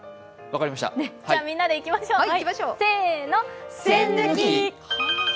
じゃあ、みんなでいきましょう、せーの。